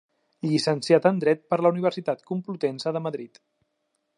Llicenciat en dret per la Universitat Complutense de Madrid.